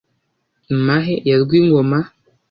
mahe ya rwingoma ,